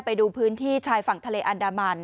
ไปดูพื้นที่ชายฝั่งทะเลอันดามัน